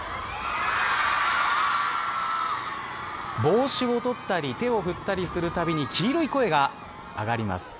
帽子を取ったり手を振ったりするたびに黄色い声が上がります。